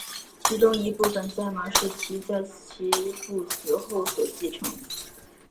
其中一部分赛马是其在其父死后所继承。